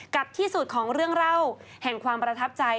กับที่สุดของเรื่องเล่าแห่งความประทับใจ